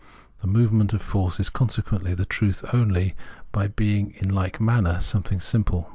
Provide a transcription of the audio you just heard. The movement of force is consequently the truth only by being in like manner something simple.